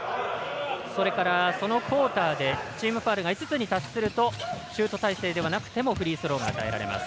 それから、そのクオーターでチームファウルが５つに達するとシュート体勢ではなくてもフリースローが与えられます。